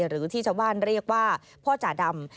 หรือที่ชาวบ้านเรียกว่าพ่อจ่าดำ